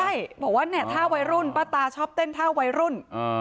ใช่บอกว่าเนี่ยถ้าวัยรุ่นป้าตาชอบเต้นท่าวัยรุ่น